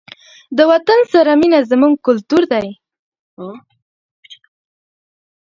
د وطن سره مینه زموږ کلتور دی.